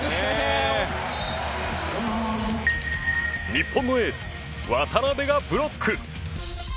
日本のエース渡邊がブロック！